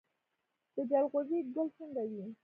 د جلغوزي ګل څنګه وي؟